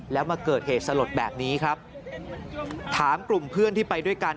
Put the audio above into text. แล้วมาเกิดเหตุสลดแบบนี้ครับถามกลุ่มเพื่อนที่ไปด้วยกัน